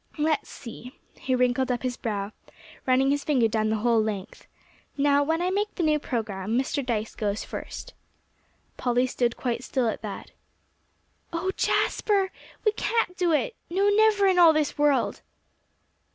"Let's see." He wrinkled up his brow, running his finger down the whole length. "Now, when I make the new program, Mr. Dyce goes first." Polly stood quite still at that. "Oh, Jasper, we can't do it no, never in all this world."